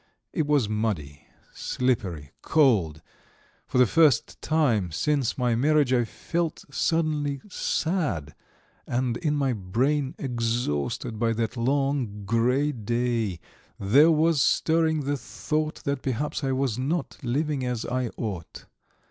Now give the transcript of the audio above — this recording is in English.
It was muddy, slippery, cold. For the first time since my marriage I felt suddenly sad, and in my brain exhausted by that long, grey day, there was stirring the thought that perhaps I was not living as I ought.